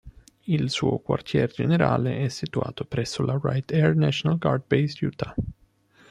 Il suo quartier generale è situato presso la Wright Air National Guard Base, Utah.